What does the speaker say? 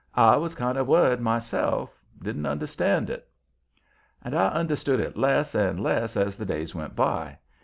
I was kind of worried myself; didn't understand it. And I understood it less and less as the days went by.